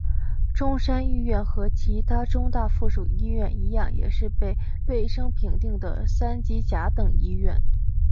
中山一院和其它中大附属医院一样也是被卫生部评定的三级甲等医院。